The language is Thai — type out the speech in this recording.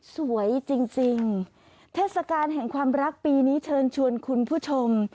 สวยจริงเทศกาลแห่งความรักปีนี้เชิญชวนคุณผู้ชม